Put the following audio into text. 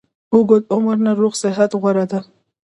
اوږد عمر نه روغ صحت غوره ده